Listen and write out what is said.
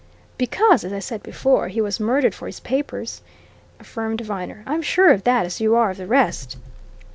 "Because, as I said before, he was murdered for his papers," affirmed Viner. "I'm sure of that as you are of the rest."